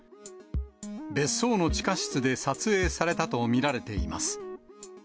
別荘の地下室で撮影されたと見られています。